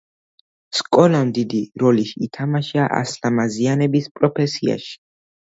სკოლამ დიდი როლი ითამაშა ასლამაზიანების პროფესიაში.